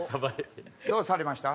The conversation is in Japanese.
どうされました？